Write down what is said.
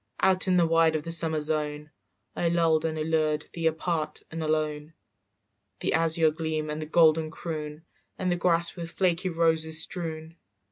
"Out in the wide of the summer zone I lulled and allured thee apart and alone, "The azure gleam and the golden croon And the grass with the flaky roses strewn.